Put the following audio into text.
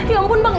ya ampun bang